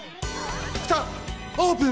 ふたオープン！